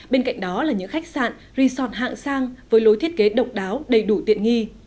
bên cạnh đó là những khách sạn resort hạng sang với lối thiết kế độc đáo đầy đủ tiện nghi